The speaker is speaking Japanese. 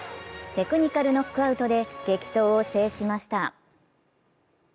テクニカルノックアウトで激闘を制しました。